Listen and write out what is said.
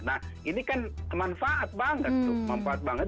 nah ini kan manfaat banget tuh manfaat banget